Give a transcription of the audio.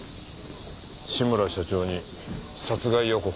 志村社長に殺害予告か。